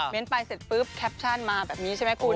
ไปเสร็จปุ๊บแคปชั่นมาแบบนี้ใช่ไหมคุณ